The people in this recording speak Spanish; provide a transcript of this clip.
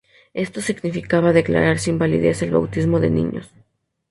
Esto significaba declarar sin validez el bautismo de niños.